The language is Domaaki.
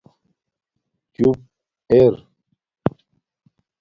چُپ ار